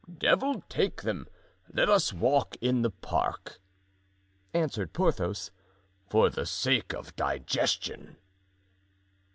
"Devil take them; let us walk in the park," answered Porthos, "for the sake of digestion."